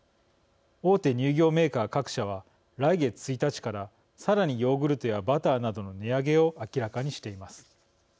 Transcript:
大手乳業メーカー各社は来月１日からさらにヨーグルトやバターなどの値上げを明らかにしています。